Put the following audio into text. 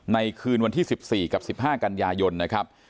ในคืนวันที่๑๔กับ๑๕กันยายนนะครับ